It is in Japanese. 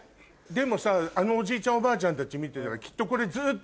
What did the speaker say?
でもさあのおじいちゃんおばあちゃんたち見てたらきっとこれ。